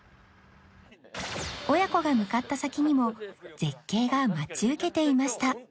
親子が向かった先にも絶景が待ち受けていました